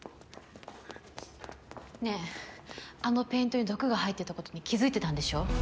ねえあのペイントに毒が入ってたことに気づいてたんでしょ？